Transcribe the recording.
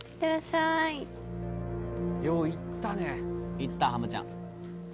行ったハマちゃん